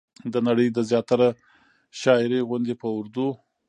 د نړۍ د زياتره شاعرۍ غوندې په اردو